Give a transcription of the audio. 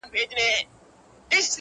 راته مخ کې د ښادیو را زلمي مو یتیمان کې؛